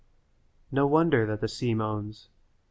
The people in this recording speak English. No wonder that the sea moans.